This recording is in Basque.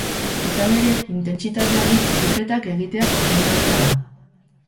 Izan ere, intentsitate handiko ariketak egitea komenigarria da.